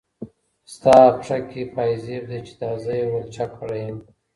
ستا پښه كي پايزيب دی چي دا زه يې ولچك كړی يم